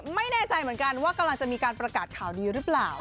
ไม่แน่ใจเหมือนกันว่ากำลังจะมีการประกาศข่าวดีหรือเปล่า